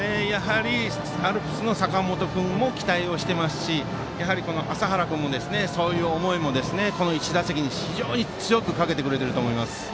アルプスの坂本君も期待をしていますし麻原君もそういう思いをこの１打席、非常に強くかけてくれていると思います。